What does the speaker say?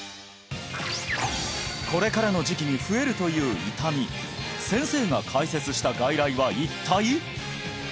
これからの時期に増えるという痛み先生が開設した外来は一体？